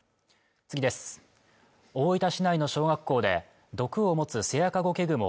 大分市内の小学校で毒を持つセアカゴケグモ